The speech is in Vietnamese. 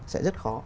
sẽ rất khó